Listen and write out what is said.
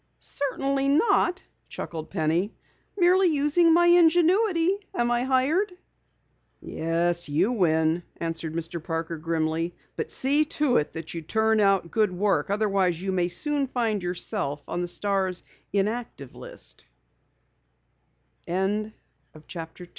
"Certainly not," chuckled Penny. "Merely using my ingenuity. Am I hired?" "Yes, you win," answered Mr. Parker grimly. "But see to it that you turn out good work. Otherwise, you soon may find yourself on the Star's inactive list."